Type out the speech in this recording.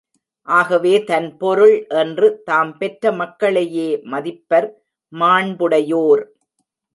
ஆகவே தன் பொருள் என்று, தாம் பெற்ற மக்களையே மதிப்பர் மாண்புடையோர்.